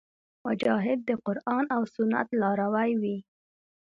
مجاهد د قرآن او سنت لاروی وي.